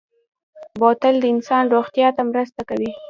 بوتل د انسان روغتیا ته مرسته کوي.